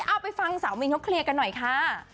เอาไปฟังสาวมินเขาเคลียร์กันหน่อยค่ะ